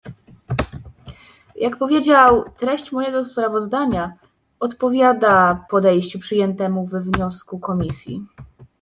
Jak powiedział, treść mojego sprawozdania odpowiada podejściu przyjętemu we wniosku Komisji